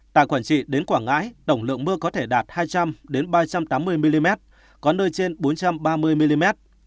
tại quảng trị đến quảng ngãi tổng lượng mưa có thể đạt hai trăm linh ba trăm tám mươi mm có nơi trên bốn trăm ba mươi mm